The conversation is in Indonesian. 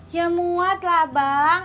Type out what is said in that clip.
ya muat lah bang